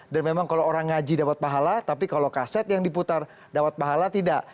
dan memang kalau orang ngaji dapat pahala tapi kalau kaset yang diputar dapat pahala tidak